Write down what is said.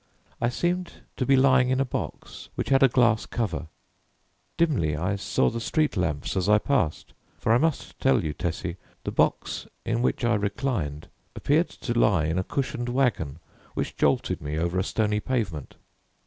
I seemed to be lying in a box which had a glass cover. Dimly I saw the street lamps as I passed, for I must tell you, Tessie, the box in which I reclined appeared to lie in a cushioned wagon which jolted me over a stony pavement.